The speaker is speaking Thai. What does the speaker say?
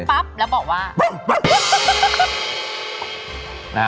ปั๊บแล้วบอกว่า